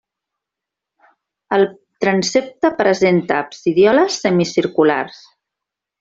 El transsepte presenta absidioles semicirculars.